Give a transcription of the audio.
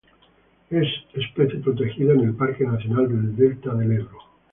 Es especie protegida en el Parque Nacional del Delta del Ebro.